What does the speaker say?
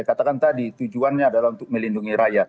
katakan tadi tujuannya adalah untuk melindungi rakyat